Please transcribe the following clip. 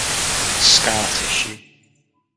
Scar Tissue